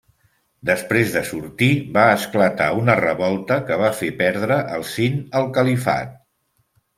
Després de sortir va esclatar una revolta que va fer perdre el Sind al califat.